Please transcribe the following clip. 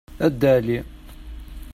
A Dda Ɛli.